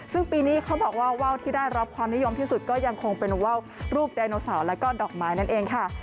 ซึ่งปีนี้เขาบอกว่าว่าวที่ได้รับความนิยมที่สุดก็ยังคงเป็นว่าวรูปไดโนเสาร์แล้วก็ดอกไม้นั่นเองค่ะ